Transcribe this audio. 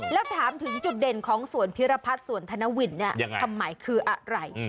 แล้วถามถึงจุดเด่นของสวนพิรพัฒน์สวนธนวินคำหมายคืออะไร